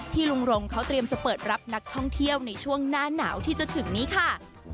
ลุงรงเขาเตรียมจะเปิดรับนักท่องเที่ยวในช่วงหน้าหนาวที่จะถึงนี้ค่ะ